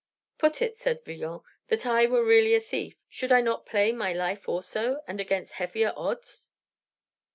"Put it," said Villon, "that I were really a thief, should I not play my life also, and against heavier odds?"